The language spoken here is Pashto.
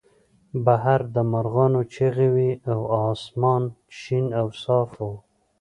بهر د مرغانو چغې وې او اسمان شین او صاف و